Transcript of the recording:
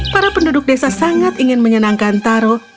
para penduduk desa sangat ingin menyenangkan taro